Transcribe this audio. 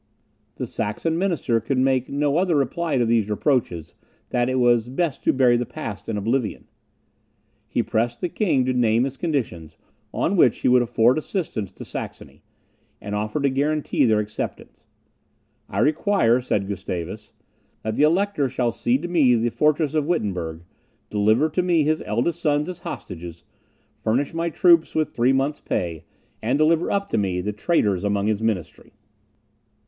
The Saxon minister could make no other reply to these reproaches, than that it was best to bury the past in oblivion. He pressed the king to name the conditions, on which he would afford assistance to Saxony, and offered to guarantee their acceptance. "I require," said Gustavus, "that the Elector shall cede to me the fortress of Wittenberg, deliver to me his eldest sons as hostages, furnish my troops with three months' pay, and deliver up to me the traitors among his ministry."